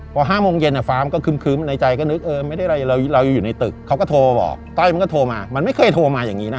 วัน๕โมงเย็นแหละฟ้ามันก็คืมในใจก็นึกไม่ได้อะไรเราอยู่ในตึกเขาก็โทรมาบอกต้อยมันก็โทรมามันไม่เคยโทรมาอย่างนี้นะ